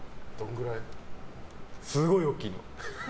すごい大きいの。